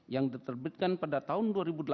yang diterbitkan pada tahun dua ribu delapan